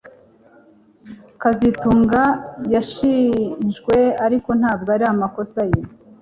kazitunga yashinjwe ariko ntabwo ari amakosa ye